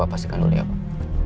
gue pastikan dulu ya pak